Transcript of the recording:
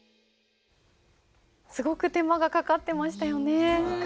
すごく手間がかかってましたよね。